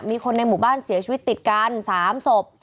มีคนในหมู่บ้านเสียชีวิตติดกัน๓ศพ